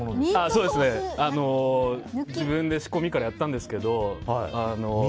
そうです、自分で仕込みからやったんですが。